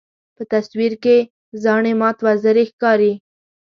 په تصویر کې زاڼې مات وزرې ښکاري.